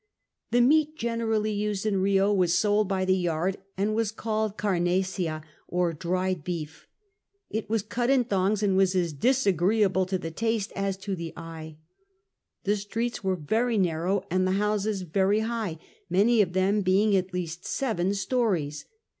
The meat generally used in Rio was sold by the yard, and was called carnesea, or dried beef. It was cut in thongs, and was as disagreeable to the taste as to the eye. The streets were very narrow and the houses very high, many of them being at least seven stories.